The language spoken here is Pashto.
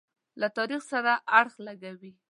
له تاریخ سره اړخ لګوي.